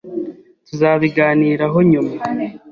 Tuzabiganiraho nyuma.